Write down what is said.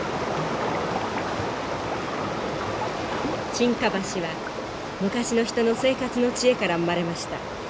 沈下橋は昔の人の生活の知恵から生まれました。